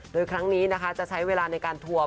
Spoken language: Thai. โดยครั้งนี้นะคะจะใช้เวลาในการทวง